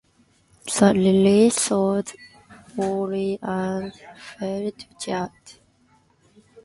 The release sold poorly and failed to chart.